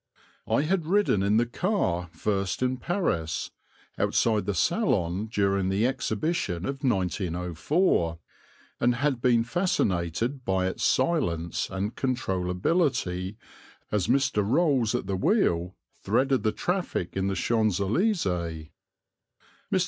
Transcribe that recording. I had ridden in the car first in Paris, outside the salon during the exhibition of 1904, and had been fascinated by its silence and controllability as Mr. Rolls at the wheel threaded the traffic in the Champs Élysées. Mr.